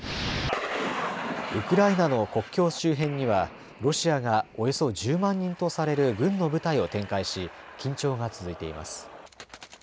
ウクライナの国境周辺にはロシアがおよそ１０万人とされる軍の部隊を展開し緊張が続いています。